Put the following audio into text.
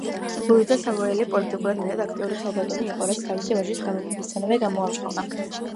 ლუიზა სავოიელი, პოლიტიკურად მეტად აქტიური ქალბატონი იყო, რაც თავისი ვაჟის გამეფებისთანავე გამოამჟღავნა.